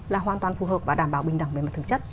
là hoàn toàn phù hợp và đảm bảo bình đẳng về mặt thực chất